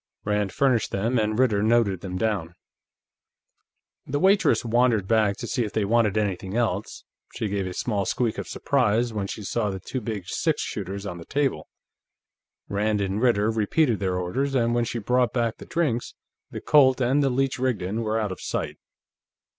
Rand furnished them, and Ritter noted them down. The waitress wandered back to see if they wanted anything else; she gave a small squeak of surprise when she saw the two big six shooters on the table. Rand and Ritter repeated their orders, and when she brought back the drinks, the Colt and the Leech & Rigdon were out of sight.